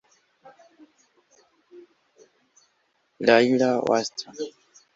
Lyall Watson